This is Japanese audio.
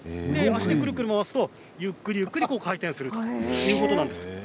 くるくる回すとゆっくりゆっくり回転するということなんです。